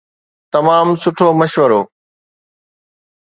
تمام سٺو مشورو.